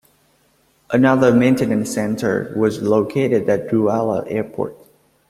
Another maintenance centre was located at Douala Airport.